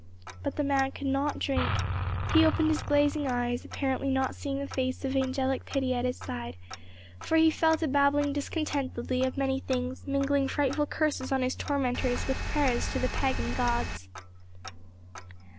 But the man could not drink; he opened his glazing eyes, apparently not seeing the face of angelic pity at his side, for he fell to babbling disconnectedly of many things, mingling frightful curses on his tormentors with prayers to the pagan gods.